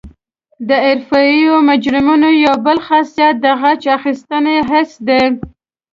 د حرفوي مجرمینو یو بل خاصیت د غچ اخیستنې حس دی